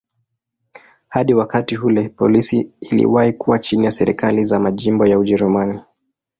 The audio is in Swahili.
Hadi wakati ule polisi iliwahi kuwa chini ya serikali za majimbo ya Ujerumani.